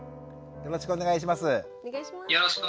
よろしくお願いします。